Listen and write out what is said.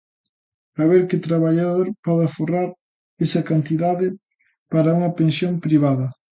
A ver que traballador pode aforrar esa cantidade para unha pensión privada.